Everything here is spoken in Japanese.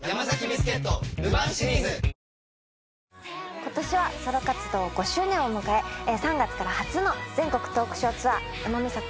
今年はソロ活動５周年を迎え３月から初の全国トークショーツアー宇野実彩子